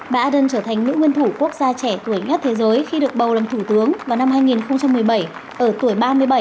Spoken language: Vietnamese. bã đang trở thành những nguyên thủ quốc gia trẻ tuổi nhất thế giới khi được bầu làm thủ tướng vào năm hai nghìn một mươi bảy ở tuổi ba mươi bảy